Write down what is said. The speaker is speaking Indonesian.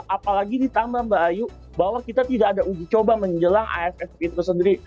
apalagi ditambah mbak ayu bahwa kita tidak ada uji coba menjelang aff itu sendiri